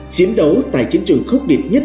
chiến đấu tại chiến trường khốc liệt nhất